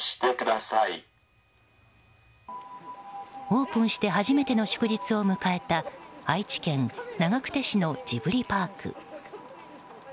オープンして初めての祝日を迎えた愛知県長久手市のジブリパーク。